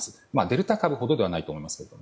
デルタ株ほどではないと思いますけど。